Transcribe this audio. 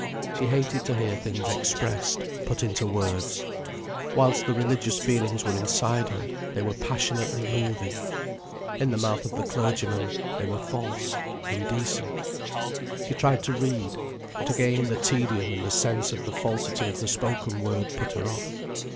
She hated to hear things expressed, put into words. Whilst the religious feelings were inside her they were passionately moving. In the mouth of the clergyman, they were false, indecent. She tried to read. But again the tedium and the sense of the falsity of the spoken word put her off.